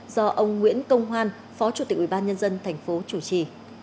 do ông nguyễn công hoan phó chủ tịch ubnd tp chủ trì